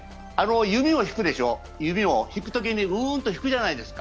弓を引くでしょ、引くときにうんと引くじゃないですか。